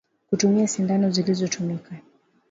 Kutumia sindano zilizotumika